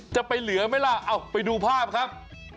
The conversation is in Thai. จะไปเหลือมั้ยล่ะไปดูภาพครับ